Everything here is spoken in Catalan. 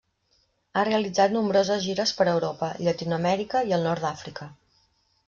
Ha realitzat nombroses gires per Europa, Llatinoamèrica i el nord d'Àfrica.